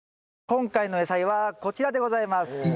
今回の野菜はこちらでございます。